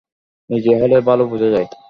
নিজে হলেই ভালো বোঝা যায়।